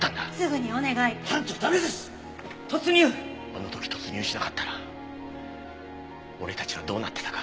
あの時突入しなかったら俺たちはどうなってたか。